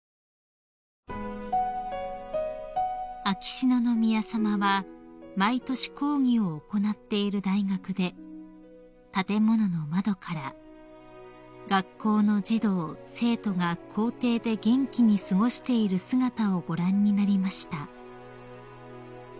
［秋篠宮さまは毎年講義を行っている大学で建物の窓から学校の児童生徒が校庭で元気に過ごしている姿をご覧になりました］